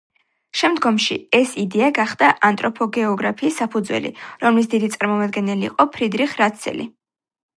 შემდგომში, ეს იდეა გახდა ანთროპოგეოგრაფიის საფუძველი, რომლის დიდი წამომადგენელი იყო ფრიდრიხ რატცელი.